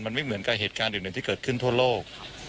มันไม่เหมือนกับเหตุการณ์อื่นที่เกิดขึ้นทั่วโลก